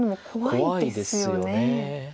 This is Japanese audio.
怖いですよね。